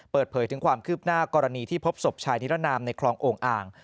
เปิดเผยถึงความคืบหน้ากรณีที่พบศพชายนิรนามในคลองโอ่งอ่าง